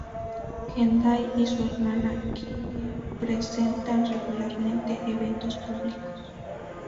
Kendall y su hermana Kylie presentan regularmente eventos públicos.